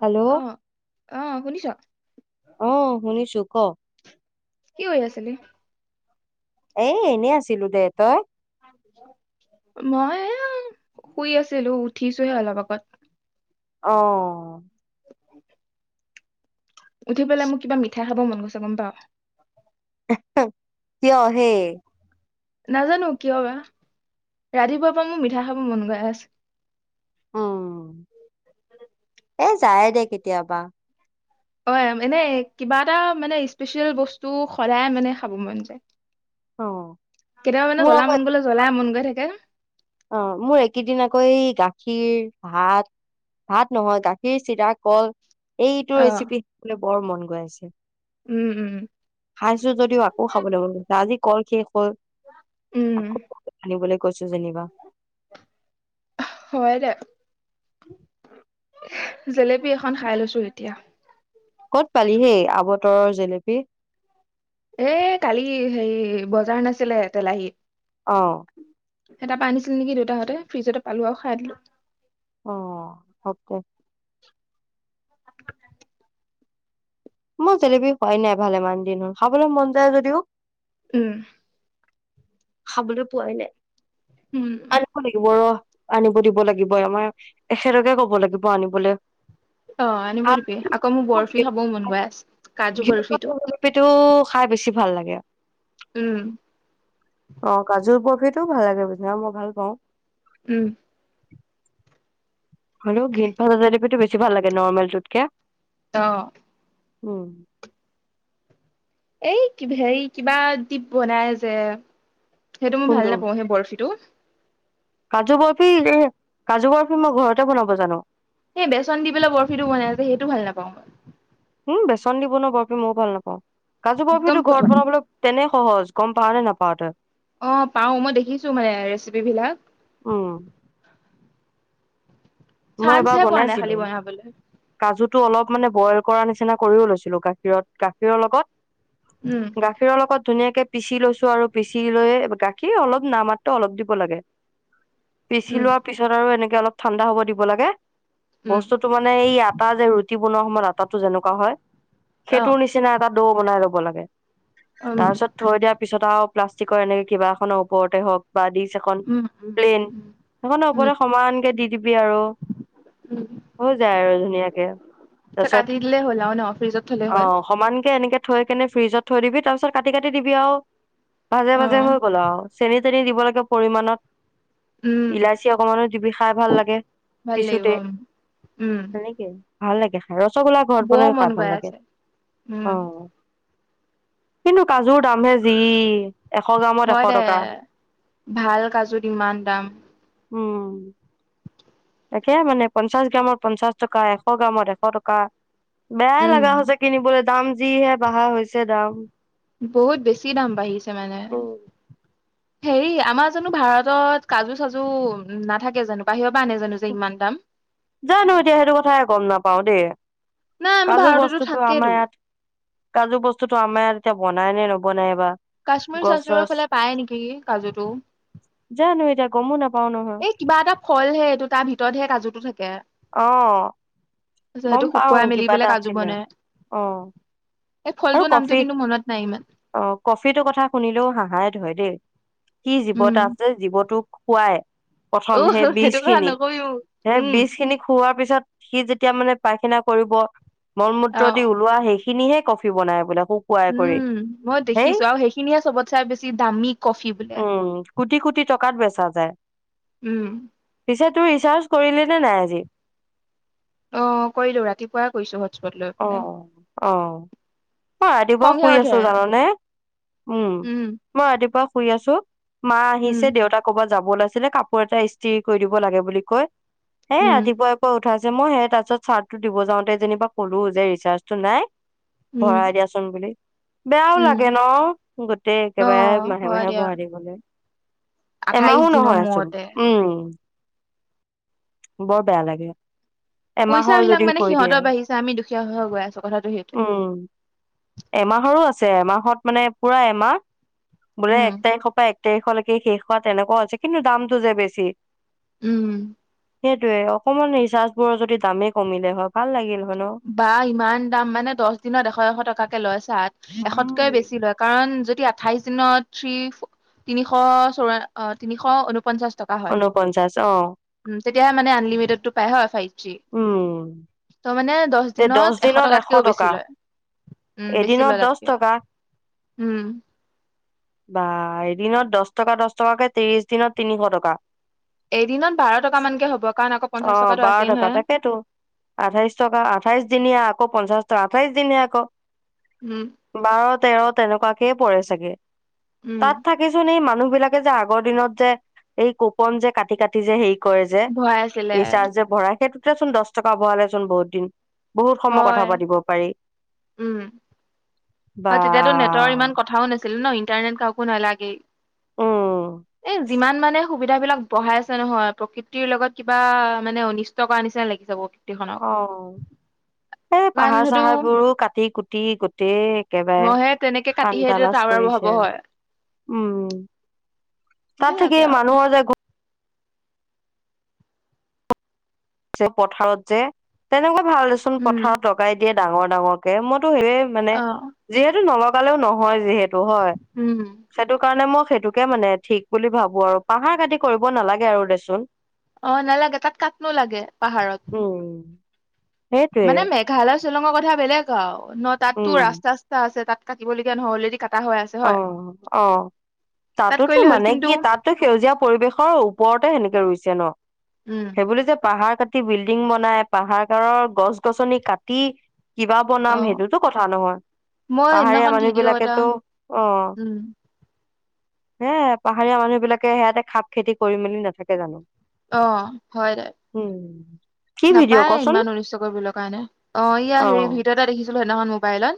Hello অ', অ' শুনিছ? অ শুনিছো ক কি কৰি আছিলি? এই এনেই আছিলো দে, তই? মই এয়া, শুই আছিলো উঠিছোঁ‌হে অলপ আগত। অ'। [inaudible] উঠি পেলাই মোক কিবা মিঠাই খাব মন গৈছে, গম পাৱ? কিয় হে? নাজানো কিয় বা, ৰাতিপুৱাৰ পৰা মোৰ মিঠা খাব মন গৈ আছে। উম, এ যায় দে কেতিয়াবা। অ', এনে কিবা এটা মানে স্পেচিয়েল বস্তু সদায় মানে খাব মন যায়। অ কেতিয়াবা মানে মোৰ জ্বলা আকৌ মন গলে জ্বলাই মন গৈ থাকে অ', মোৰ এই কেইদিন আকৌ গাখীৰ, ভাত ভাত নহয়, গাখীৰ, চিৰা, কল, এইটো অ ৰেচিপি খাবলৈ বৰ মন গৈ আছে। উম উম খাইছো যদিও আকৌ খাবলে মন গৈছে। আজি কল শেষ হ'ল, উম আকৌ আনিবলৈ কৈছো যেনিবা। হয় দে। জেলেপী এখন খাই লৈছো এতিয়া। ক'ত পালি হে আৱতৰৰ জেলেপি? এ কালি হেৰি বজাৰ নাছিলে তেলাহী অ'। এ তাপা আনিছিল নেকি দেউতাহঁতে, ফ্ৰিজতে পালো আৰু খাই দিলো। অ', হওক দে। মই জেলেপি খোৱাই নাই ভালেমান দিন হ'ল, খাবলে মন যায় যদিও উম। খাবলৈ পোৱাই নাই। উম। আনিব লাগিব ৰ আনিব দিব লাগিব আমাৰ এখেতকে কব লাগিব আনিবলৈ। অ আনিব দিবি আকৌ মোক বৰফি খাবও মন গৈ আছে কাজু বৰফিটো। সেইটো খাই বেছি ভাল লাগে উম। অ কাজু বৰফিতো ভাল লাগে পিছে মই ভাল পাওঁ। উম হলেও গ্ৰীণ ভাজা জেলেপিটো বেছি ভাল লাগে নৰ্মেলটোতকে। অঁ। উম এই কিব হেৰী কিবা দি বনাই যে সেইটো মই কোনটো ভাল নাপাওঁ সেই বৰফিটো কাজু বৰফি এই কাজু বৰফি মই ঘৰতে বনাব জানো। সেই বেচন দি পেলাই বৰফিটো বনাই যে সেইটো ভাল নাপাওঁ মই। উম বেচন দি বনোৱা বৰফিটো মইয়ো ভাল নাপাওঁ কাজু একদম বৰফিটো ফটুৱা ঘৰত বনাবলৈ তেনেই সহজ গম পাও নে নাপাও তই? অ পাও মই দেখিছো মানে ৰেচিপি বিলাক। উম মই এবাৰ চান্সহে পোৱা নাই খালি বনাইছিলো বনাবলৈ কাজুটো অলপ মানে বইল কৰাৰ নিচিনা কৰিও লৈছিলো গাখীৰত গাখীৰৰ লগত উম গাখীৰৰ লগত ধুনীয়াকে পিচি লৈছো আৰু পিচি লৈয়ে গাখীৰ অলপ নাম মাত্ৰ অলপ দিব লাগে। [inaudible] পিচি উম লোৱাৰ পিছত আৰু এনেকে অলপ ঠাণ্ডা হ'ব দিব লাগে ব উম স্তু মানে এই আটা যে ৰুটি বনোৱা সময়ত আটাটো যেনেকুৱা হয় অ সেইটোৰ নি চিনা এটা দৌ বনাই ল'ব লাগে উম তাৰপিছত থৈ দিয়াৰ পিছত আৰু প্লাষ্টিকৰ এনেকে কিবা এখনৰ ওপৰতে হওক বা দিচ এখন উম উম প্লেন উম সেইখন উম ওপৰতে সমানকে দি দিবি আৰু উম হৈ যায় আৰু ধুনীয়াকে কাটি তাৰপিছত দিলেই হ'ল আৰু ন ফ্ৰিজত থলেই অ হ'ল সমানকে এনেকে থৈ কেনে ফ্ৰিজত থৈ দিবি তাৰপিছত কাটি কাটি দিবি আৰু মাজে অ মাজে হৈ গ'ল আৰু চেনি চেনি দিব লাগে উম পৰিমানত ইলাচি অকমানো দিবি খাই ভাল লাগে। ভাল লাগিব পিছুতে উম তেনেকেই। ভাল লাগে খাই ৰসগোল্লা ঘৰত বৰ বনাইও মন খাও ভাল গৈ লাগে আছে উম অঁ। কিন্তু কাজুৰ দামহে যি এশ গ্ৰামত এশ হয় দে টকা ভাল কাজুত ইমান দাম। উম তাকে মানে পঞ্চাশ গ্ৰামত পঞ্চাশ টকা এশ গ্ৰামত এশ টকা বেয়াই উম লগা হৈছে কিনিবলৈ দাম যিহে বঢ়া হৈছে দাম। বহুত বেছি দাম বাঢ়িছে মানে। উম হেৰি আমাৰ জানো ভাৰতত কাজু চাজু নাথাকে জানো বাহিৰৰ পৰা আনে জানো? যে ইমান দাম জানো এতিয়া সেইটো কথাই গম নাপাও দেই। নাই আমাৰ কাজু ভাৰততো বস্তুটো থাকেতো আমাৰ ইয়াত কাজু বস্তুটো আমাৰ ইয়াত এতিয়া বনাই নে নবনাই বা কাশ্মীৰ গছ চাশ্মীৰৰ চছ ফালে পায় নেকি কাজুটো জানো এতিয়া গমো নাপাও নহয় এই কিবা এটা ফল হে এইটো তাৰ ভিতৰতহে কাজুটো থাকে। অঁ। তাছত সেইটো শুকুৱাই মেলি পেলাই কাজু আছিলে বনে অ এই আৰু ফলটোৰ কফি নামটো কিন্তু মনত নাই ইমান অ কফিটোৰ কথা শুনিলেও হাহাই ধৰে দেই কি জীৱ উম এটা আছে জীৱটোক খুৱাই অ প্ৰথম সেই সেইটো কথা বীজখিনি নকবি মোক সেই উম বীজখিনিক খোৱাৰ পিছত সি যেতিয়া মানে পায়খানা কৰিব অ মলমূত্ৰ দি ওলোৱা সেইখিনিহে কফি বনাই বোলে হো উম মই দেখিছো আৰু সেইখিনিয়ে চবতে বেছি দামী কফি বোলে উম কোটি কোটি টকাত বেচা যায় উম পিছে তোৰ ৰিচাৰ্জ কৰিলি নে নাই, আজি। অ, কৰিলো ৰাতিপুৱাই কৰিছো হটস্পট লৈ পেলাই অ', অ', অ ৰাতিপা খংহে শুই উঠে আছো, জাননে উম। মই ৰাতিপুৱা শুই আছো, মা উম আহিছে দেউতাক ক'বাত যাব ওলাইছিলে কাপোৰ এটা ইস্তিৰি কৰি দিব লাগে বুলি কৈ হে উম ৰাতিপুৱাই। কৈ উঠাইছে, মই সেই তাৰছত চাৰ্টো দিব যাওঁতে যেনিবা ক'লো যে ৰিচাৰ্জটো নাই। উম ভৰাই দিয়াচোন বুলি। বেয়াও উম লাগে ন, গোটেই অ একেবাৰে মাহে, হয় মাহে দিয়া ভৰাই দিবলে আঠাইশ এমাহো, দিনৰ নহয়চোন মূৰতে উম। বৰ বেয়া লাগে, এমাহৰ পইচাবিলাক যদি মানে কৰি দিয়ে। সিহঁতৰ বাঢ়িছে আমি দুখীয়া হৈ হৈ, গৈ, আছো কথাটো সেইটো উম, এমাহৰো আছে, এমাহত মানে পুৰা এমাহ বোলে উম এক তাৰিখৰ পৰা এক তাৰিখলেকে শেষ হোৱা তেনেকুৱাও আছে কিন্তু দামটো যে বেছি। উম। সেইটোয়ে অকমান ৰিচাৰ্জবোৰৰ যদি দামেই কমিলে হয় ভাল লাগিল। হয় ন। বা, ইমান দাম মানে দছ দিনত এশ, এশ টকাকে লয়, চাৰ্জ এশতকৈ বেছি লয়। কাৰণ যদি আঠাইশ দিনত থ্ৰী তিনিশ, চৌৰা তিনিশ, ঊনপঞ্চাশ টকা হয় ঊনপঞ্চাশ, অ' তেতিয়াহে মানে আনলিমিটেডটো পাই, হয়, ফাইভ জি উম ত মানে। দছ তে দহ দিনত, এশ টকাতকেও বেছি টকা লয়। উম, বেছি এদিনত লয় দহ তাতকেও টকা উম। বা এদিনত দছ টকা, দছ টকাকে, ত্ৰিশ দিনত, তিনিশ টকা এদিনত বাৰ টকা মানকে হ'ব। কাৰণ আকৌ পঞ্চাশ টকাটো আছেই নহয়। হেতো আঠাইশ টকা, আঠাইশ দিনীয়া আকৌ, পঞ্চাশ টকা, আঠাইশ দিনীয়া আকৌ। উম। বাৰ তেৰ, তেনেকুৱাকেই পৰে চাগে উম, তাত থাক হেছোন এই মানুহ বিলাকে যে আগৰ দিনত যে এই কুপন যে কাটি কাটি যে, হেই কয়ে যে ভৰাই আছিলে ৰিচাৰ্জ যে ভৰাই সেইটোতে চোন দহ টকা ভৰালে চোন বহুত দিন বহুত সময় কথা হয়, পাতিব পাৰি। বা অ, তেতিয়াতো নেটৰ ইমান কথাও নাছিলে ন, ইণ্টাৰনেট কাকো নালাগেই। উম এ, যিমান মানে সুবিধা বিলাক বঢ়াইছে, নহয়। প্ৰকৃতিৰ লগত কিবা মানে অনিষ্ট কৰাৰ নিচিনা লাগি যাব। অ, এই কাৰণ পাহাৰ, সেইটো চাহাৰ বোৰো কাটি, কুটি গোটেই একেবাৰে মইহে তেনেকে কাটিহে শান্তা লাজ টাৱাৰ বহাব কৰিছে হয়। উম। তাত থাকি সেইবিলাকে আৰু মানুহৰ যে যে পথাৰত যে, তেনেকুৱা ভাল দেচোন, উম, পথাৰত লগাই দিয়ে ডাঙৰ, ডাঙৰ। মইতো সেইয়াই মানে অ', যিহেতু নলগালেও নহয়, যিহেতু হয়। উম। সেইটো কাৰণে মই সেইটোকে মানে ঠিক বুলি ভাবো। আৰু পাহাৰ কাটি কৰিব নালাগে আৰু দেচোন। অ, নালাগে, তাত কাটনো লাগে, পাহাৰত। উম। সেইটোৱে মানে মেঘালয় চিলঙৰ কথা বেলেগ আৰু ন, তাতটো উম, ৰাস্তা- চস্তা আছে। তাত কাটিবলগীয়া নহয়, অলৰেডি ক অ', অ', তাত তাতোতো কৰিলে হ'ল মানে কিন্তু কি তাত টো সেউজীয়া পৰিৱেশৰ ওপৰতে সেনেকে ৰুইছে ন। উম। সেইবুলি যে পাহাৰ কাটি বিল্ডিং বনাই, পাহাৰ- কাষৰ গছ- গছনি কাটি কিবা অ বনাম সেইটোতো কথা নহয়, মই পাহাৰীয়া সেইদিনাখন মানুহ ভিডিঅ' এটা বিলাকেতো অ'। উম হে, পাহাৰীয়া মানুহ বিলাকে সেয়াতে খাপ, খেতি কৰিম মেলি নাথাকে জানো। অ, হয় দে। হুম নাপায় ইমান অনিষ্ট কৰিবলৈ কাৰণে। অ, ইয়া হেৰি অ', ভিডিঅ এটা দেখিছিলো সেইদিনাখন মোবাইলত।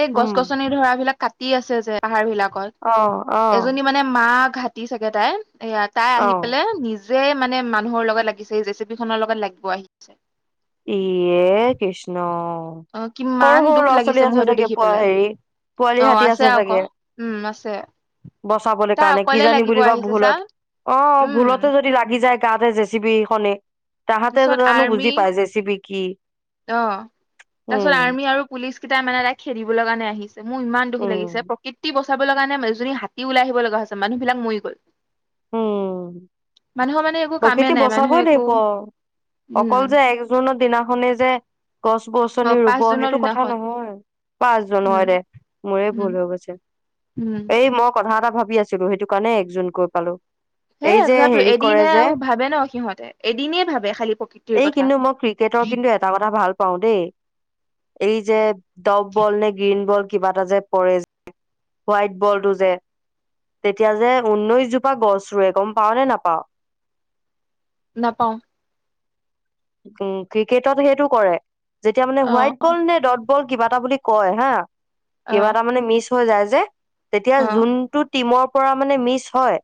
এই উম, গছ-গছনি ধৰা বিলাক কাটি আছে যে পাহাৰ বিলাকত। অ', অ', এজনী মানে মাক হা চাগে তাই। এয়া তাই আহি অ', পেলাই নিজে মানে মানুহৰ লগত লাগিছে, জেচিপি খনৰ লগত লাগি [unintelligible] ইয়ে কৃষ্ণ, অ সৰু কিমান সৰু দুখ লাগিছে ল'ৰা-ছোৱালী মোৰ আছে সেইটো চাগে দেখি পোৱা পেলাই হেৰি। অ পোৱালি হাতী আছে আকৌ চাগে। উম আছে বচাবলৈ তাই কাৰণে কি অকলে জানি লাগিব বুলিবা আহিছে চা ভুলত। অ, উম ভুলটো যদি লাগি যায় তাতে জেচিপি খনে, তাহাঁতে তাৰপিছত জানো বুজি আৰ্মি জেচিপি কি। অ তাৰ পিছত উম। আৰ্মি আৰু পুলিচকেইটাই মানে তাইক খেদিবলৈ কাৰণে আহিছে। মোৰ ইমান দুখ লাগিছে, উম প্ৰকৃতি বস্তু বচাবলে কাৰণে মানে যদি হাতীয়ো ওলাই আহিব লগা হৈছে, মানুহবিলাক মৰি গ'ল। উম, মানুহৰ মানে একো কামেই প্ৰকৃতি নাই মানুহে বচাবই একো লাগিব। অকল উম যে এক জুনৰ দিনাখনেই যে অ গছ-গছনি পাঁচ ৰুব, জুনৰ সেইটো কথা দিনাখন নহয়। পাঁচ জুন হয় উম দে, মোৰে উম ভুল হৈ গৈছে। উম এই মই কথা এটা ভাবি আছিলোঁ, সেইটো কাৰণে এক জুন কয় পালোঁ। হে তথাপিও, এদিনে ভাবে ন সিহঁতে, এদিনে ভাবে, খালি প্ৰকৃতিৰ এই কথা। কিন্তু মই ক্ৰিকেটৰ কিন্তু এটা কথা ভাল পাওঁ দেই, এই যে ডট বল নে গ্ৰীন বল। কিবা এটা যে পৰে যে, হোৱাইট বলটো যে। তেতিয়া যে উনৈছ জোপ পা গছ ৰোৱে, গম পাওঁ নে নাপাওঁ? নাপাওঁ। উম, ক্ৰিকেটত সেইটো কৰে। যেতিয়া মানে অ হোৱাইট বল নে ডট বল কিবা এটা বুলি কয় হা। অ কিবা এটা মানে মিছ হৈ যায় যে, তেতিয়া অ যোনটোত টিমৰপৰা মানে মিছ হয়,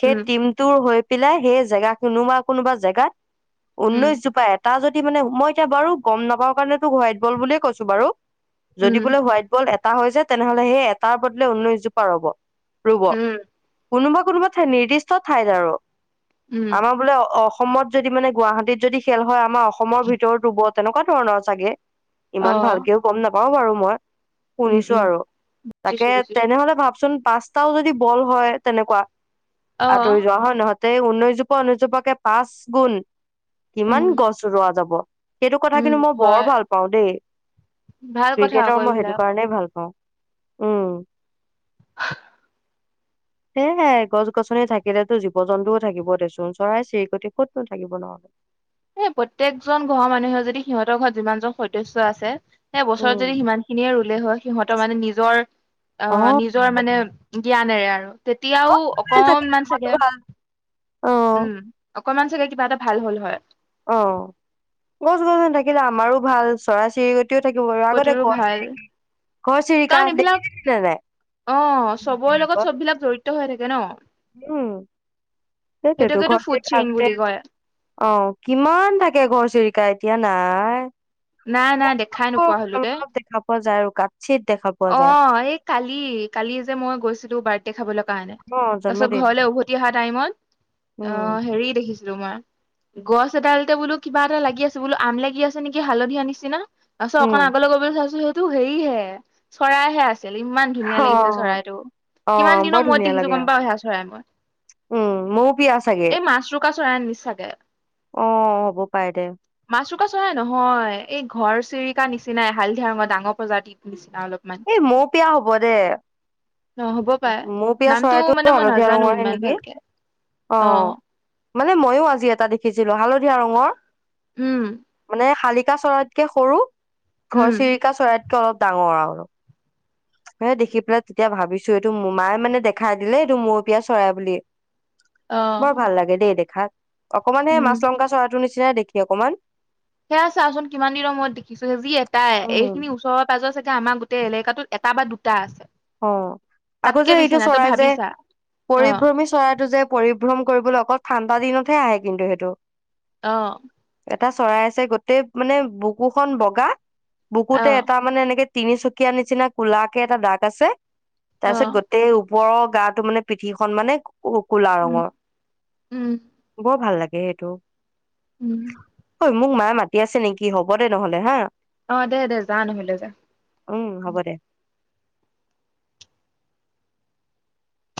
সেই উম টিম টোৰ হৈ পেলাই সেই জেগা, কোনোবা কোনোবা জেগাত উম, উনৈশ জোপা, এটা যদি মানে মই এতিয়া বাৰু গম নাপাওঁ কাৰণে তোক হোৱাইট বল বুলিয়ে কৈছোঁ বাৰু। যদি উম, বোলে হোৱাইট বল এটা হৈ যায়, তেনেহ'লে সেই এটাৰ বদলে উনৈছ জোপা ৰুব। ৰুব। উম, কোনোবা কোনোবা ঠাই, নিৰ্দিষ্ট ঠাইত আৰু। আমাৰ বোলে অস অসমত যদি মানে গুৱাহাটীত যদি খেল হয় আমাৰ অসমৰ ভিতৰত ৰুব তেনেকুৱা ধৰণৰ চাগে। ইমান অ', ভালকেও গম নাপাওঁ বাৰু মই। উম, শুনিছোঁ উম, আৰু। তাকে বুজিছো বুজিছো। তেনেহ'লে ভাবচোন পাঁচ টাও যদি বল হয়, তেনেকুৱা আঁতৰি অ', যোৱা হয় নহয়। তে উনৈছ জোপা, উনৈছজোপাকে পাঁচ গুণ কিমান উম, গছ ৰোৱা যাব। সেইটো কথা উম, কিন্তু মই বৰ হয়। ভাল পাওঁ দেই। ভাল কথা আকৌ ক্ৰিকেটৰ মই সেইটো এইবিলাক। কাৰণেই ভাল পাওঁ। উম [inaudible] সেয়েহে, গছ-গছনি থাকিলেতো জীৱ-জন্তুও থাকিব দেচোন, চৰাই-চিৰিকটি ক'তনো থাকিব নহ'লে। এই প্ৰত্যেকজন ঘৰৰ মানুহে যদি সিহঁতৰ ঘৰত যিমানজন সদস্য আছে। সেই বছৰত উম যদি সিমান খিনিয়ে ৰুলে হয়, সিহঁতৰ মানে নিজৰ আহ অ', নিজৰ মানে জ্ঞানেৰে আৰু তেতিয়াও থাকে অকনমান আমাৰতো চাগে, ভাল অ', উম অকনমান চাগে কিবা এটা ভাল হ'ল হয়। অ, গছ-গছনি থাকিলে আমাৰো ভাল, চৰাই-চিৰিক টিও থাকিব আৰু। আগতে কতোৰো ভাল ঘৰচিৰিকি কাৰণ এইবিলাক, অ চবৰে লগত চববিলাক জড়ি ত হৈ থাকে ন। উম, সেইটোৱেতো, সেইটোকেতো ফুড ঘৰচিৰিকা চেইন আগতে, বুলি কয়। অ কিমান থাকে ঘৰচিৰিকা, এতিয়া নাই। নাই নাই দেখাই নোপোৱা হলো [unintelligible] দে অলপ দেখা পোৱা যায় আৰু কাঠিত দেখা পোৱা যায়। অ' এই কালি কালি যে মই গৈছিলো বাৰ্থ দে খাবলৈ কাৰণে অ', তাৰ পাছত জন্মদিন ঘৰলৈ উভতি অহা টাইমত অ উম, হেৰি দেখি ছিলো মই গছ এডালতে বোলো কিবা এটা লাগি আছে বোলো আম লাগি আছে নেকি হালধিয়া নিছিনা তাৰপিছত উম, অকণ আগলৈ গৈ পেলাই চাইছো সেইটো হেৰি হে চৰাইহে আছিল ইমান ধুনীয়া লাগিছে অ', চৰাইটো অ', কিমান বৰ দিনৰ মোৰত ধুনীয়া দেখিছো লাগে গম পাও মই সেয়া চৰাই মই উম মৌপিয়া চাগে কা চৰাই নিচ চাগে অ হ'ব পাৰে দে মাছু ৰুকা চৰাই নহয় এই ঘৰ চিৰিকা নিচিনাই হালধিয়াৰ মই ডাঙৰ প্ৰজাতিৰ নিচিনা অলপমান এই মৌপিয়া হ'ব দে অ হ'ব পাৰে মৌপিয়া নামটো চৰাইটো মানে মই হালধীয়া নাজানো ৰঙহে ইমান নেকি ভালকে অ মানে ময়ো আজি এটা দেখিছিলো হালধীয়া ৰঙৰ উম মানে শালিকা চৰাই কে সৰু উম ঘৰ চিৰিকা চৰাইতকে অলপ ডাঙৰ আৰু এ দেখি পেলাই তেতিয়া ভাবিছো এইটো মৌ মায়ে মানে দেখাই দিলে এইটো মৌপিয়া চৰাই বুলি অ বৰ ভাল লাগে দেই দেখাত অকমান হেই উম মাছ লংকা চৰাটোৰ নিচিনা দেখি অকমান সেয়া চাওচোন কিমান দিনৰ মোৰত দেখিছো যি এটাই উম এইখিনি ওচৰত পাজৰ চাগে আমাৰ গোটেই এলেকাতো এটা বা দুটা আছে অ আকৌ তাতকে যে বেছি এইটো নাই তই চৰাই ভাবি যে চা অ পৰিভ্ৰমী চৰাইটো যে পৰিভ্ৰম কৰিবলৈ অকল ঠাণ্ডা দিনতহে আহে কিন্তু সেইটো অ এটা চৰাই আছে গোটেই মানে বুকুখন বগা অ বুকুতে এটা মানে এনেকে তিনিচুকীয়া নিচিনা কোলাকে এটা দাগ আছে অ তাৰ পিছত গোটেই ওপৰৰ গাটো মানে পিঠিখন মানে কলা উম ৰঙৰ উম বৰ ভাল লাগে সেইটো। উম। ঐ মোক মায়ে মাতি আছে নেকি, হ'ব দে নহ'লে হা। অ' দে দে যা নহলে যা। উম হ'ব দে।